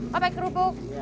pak pak kerupuk